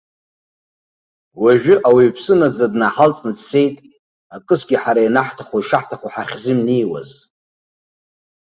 Уажәы ауаҩԥсы наӡаӡа днаҳалҵны дцеит, акысгьы ҳара ианаҳҭаху, ишаҳҭаху ҳахьзымнеиуаз.